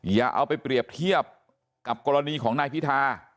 อย่าเอาไปเปรียบเทียบกับกรณีของนายพิธา